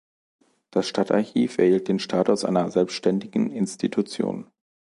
Das Stadtarchiv erhielt den Status einer selbständigen Institution.